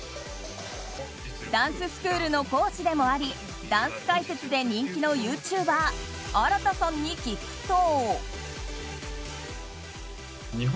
ダンススクールの講師でもありダンス解説で人気のユーチューバーＡＲＡＴＡさんに聞くと。